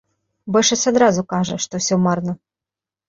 Большасць адразу кажа, што ўсё марна.